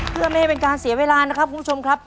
เพื่อไม่ให้เป็นการเสียเวลานะครับคุณผู้ชมครับ